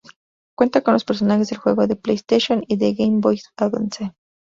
Cuenta con los personajes del juego de PlayStation y de Game Boy Advance.